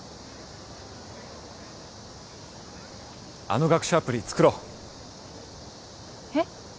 あの学習アプリ作ろうえっ？